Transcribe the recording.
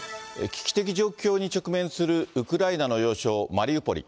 危機的状況に直面するウクライナの要衝マリウポリ。